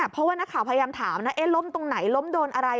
เพราะว่านักข่าวพยายามถามนะล้มตรงไหนล้มโดนอะไร